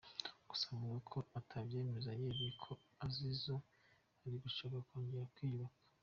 Gusa avuga ko atabyemeza yeruye ko ari zo ziri gushaka kongera kwiyubaka.